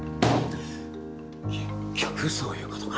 結局そういうことか。